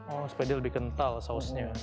oh supaya dia lebih kental sausnya